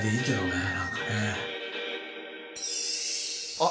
あっ！